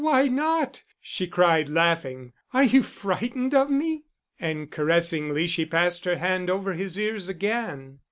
"Why not?" she cried, laughing. "Are you frightened of me?" And caressingly she passed her hand over his ears again.